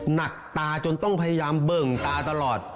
หนักตาจนต้องพยายามเบิ่งตาตลอด